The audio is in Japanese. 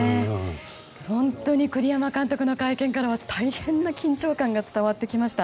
栗山監督の会見からは大変な緊張感が伝わってきました。